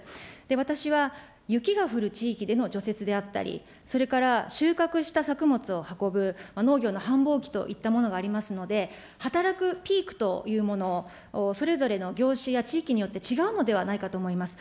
私は雪が降る地域での除雪であったり、それから収穫した作物を運ぶ、農業の繁忙期といったものがありますので、働くピークというもの、それぞれの業種や地域によって違うのではないかと思います。